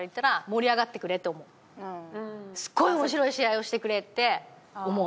すごいおもしろい試合をしてくれって思う。